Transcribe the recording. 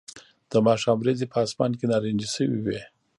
د ماښام وریځې په آسمان کې نارنجي شوې وې